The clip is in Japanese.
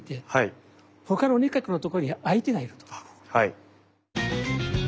はい。